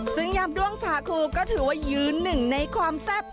ซึ่งยำด้วงสาคูก็ถือว่ายืนหนึ่งในความแซ่บ